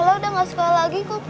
lala udah gak sekolah lagi kok pak